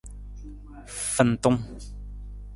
Fintung.